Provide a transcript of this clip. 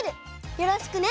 よろしくね！